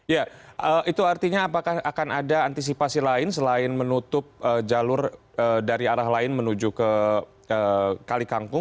ya itu artinya apakah akan ada antisipasi lain selain menutup jalur dari arah lain menuju ke kali kangkung